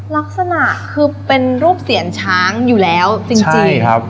ลักษณะคือเป็นรูปเสียนช้างอยู่แล้วจริงใช่ครับ